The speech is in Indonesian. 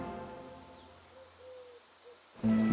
mereka berada di atas daun bunga lili